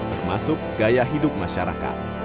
termasuk gaya hidup masyarakat